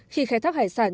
khi khai thác hải sản